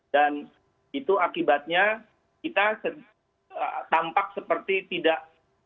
dan itu akibatnya kita tampak seperti tidak